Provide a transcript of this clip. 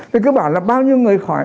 thì cứ bảo là bao nhiêu người khỏi